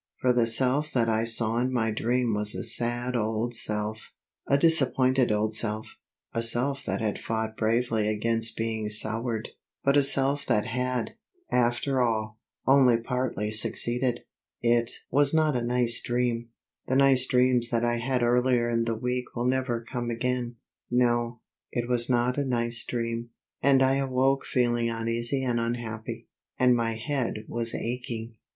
For the self that I saw in my dream was a sad old self, a disappointed old self, a self that had fought bravely against being soured, but a self that had, after all, only partly succeeded. It was not a nice dream; the nice dreams that I had earlier in the week will never come again. No, it was not a nice dream, and I awoke feeling uneasy and unhappy; and my head was aching.